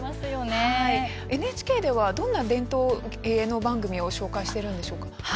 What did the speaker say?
ＮＨＫではどんな伝統芸能番組を紹介しているんでしょうか。